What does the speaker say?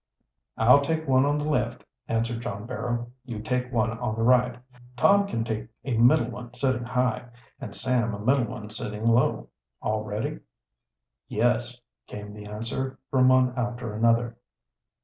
"I'll take one on the left," answered John Barrow. "You take one on the right. Tom can take a middle one sitting high, and Sam a middle one sitting low. All ready?" "Yes," came the answer, from one after another.